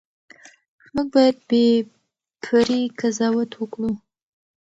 موږ باید بې پرې قضاوت وکړو.